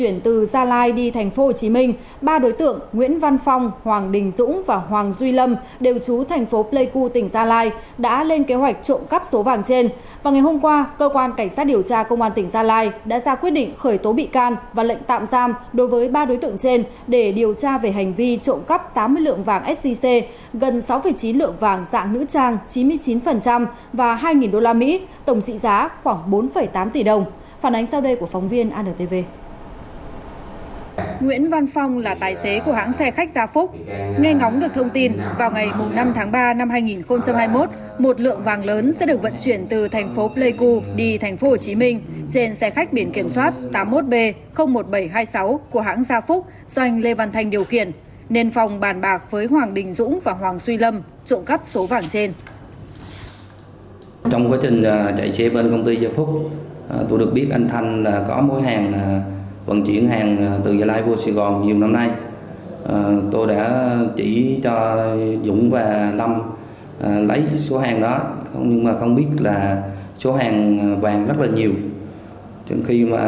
nghe ngóng được thông tin vào ngày năm tháng ba năm hai nghìn hai mươi một một lượng vàng lớn sẽ được vận chuyển từ thành phố pleiku đi thành phố hồ chí minh trên xe khách biển kiểm soát tám mươi một b một nghìn bảy trăm hai mươi sáu của hãng gia phúc do anh lê văn thanh điều khiển nên phòng bàn bạc với hoàng bình dũng và hoàng suy lâm trộm cắp số vàng trên